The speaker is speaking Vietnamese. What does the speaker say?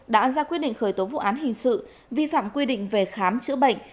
đã ra quyết định khởi tố vụ án hình sự vi phạm quy định về khám chữa bệnh